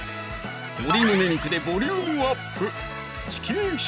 鶏胸肉でボリュームアップ